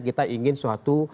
kita ingin suatu